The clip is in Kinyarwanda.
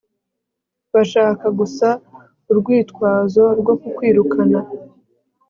bashaka gusa urwitwazo rwo kukwirukana